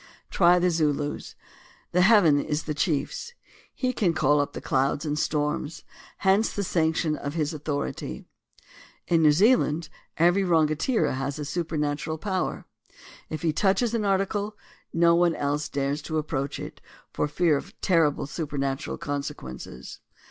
Try the Zulus: "The heaven is the chief's"; he can call up clouds and storms, hence the sanction of his authority. In New Zealand, every Rangatira has a supernatural power. If he touches an article, no one else dares to approach it, for fear of terrible supernatural consequences.